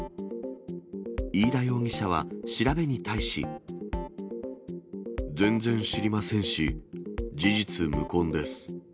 飯田容疑者は調べに対し。全然知りませんし、事実無根です。